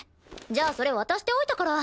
じゃあそれ渡しておいたから。